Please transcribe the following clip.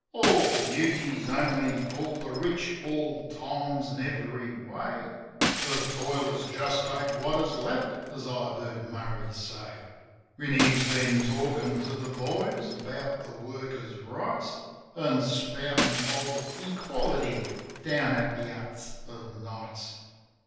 All beauty's only for the rich, all times, an' every way. The toilers just take what is left, as I've heard Murray say 44 JIM OF THE HILLS When he's been talkin' to the boys about the workers' rights. An' spoutin' of equality, down at the huts, of nights.